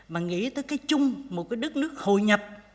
mà nghĩ tới cái chung một cái đất nước hội nhập